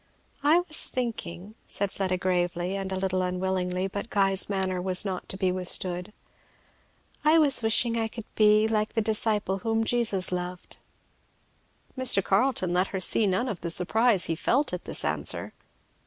"I was thinking," said Fleda, gravely, and a little unwillingly, but Guy's manner was not to be withstood, "I was wishing I could be like the disciple whom Jesus loved." Mr. Carleton let her see none of the surprise he felt at this answer.